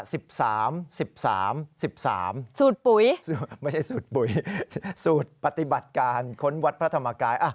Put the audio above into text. สูตรปุ๋ยไม่ใช่สูตรปุ๋ยสูตรปฏิบัติการค้นวัดพระธรรมกาย